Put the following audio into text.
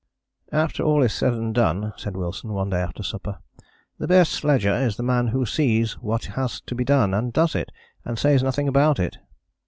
"After all is said and done," said Wilson one day after supper, "the best sledger is the man who sees what has to be done, and does it and says nothing about it."